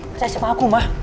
percaya sama aku mah